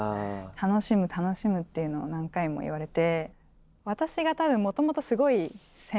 楽しむ、楽しむっていうのを何回も言われて。